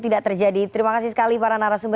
tidak terjadi terima kasih sekali para narasumber